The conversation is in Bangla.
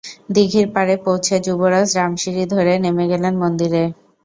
দীঘির পাড়ে পৌঁছে যুবরাজ রাম সিঁড়ি ধরে নেমে গেলেন মন্দিরে।